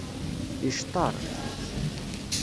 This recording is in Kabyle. Yecṭeṛ.